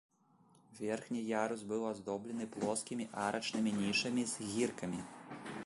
Верхні ярус быў аздоблены плоскімі арачнымі нішамі з гіркамі.